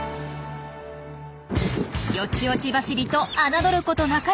よちよち走りと侮ることなかれ！